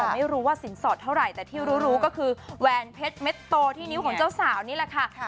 แต่ไม่รู้ว่าสินสอดเท่าไหร่แต่ที่รู้ก็คือแหวนเพชรเม็ดโตที่นิ้วของเจ้าสาวนี่แหละค่ะ